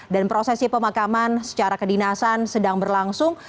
dan prosesi pemakaman secara kedinasan sedang berlangsung